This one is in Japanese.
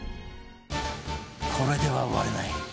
これでは終われない